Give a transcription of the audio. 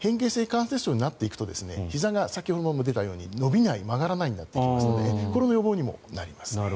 関節症になっていくとひざが先ほども出たように伸びない、曲がらないとなるのでこれの予防にもなりますね。